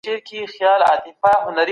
د اولیاوو مینه په زړه کې ولرئ.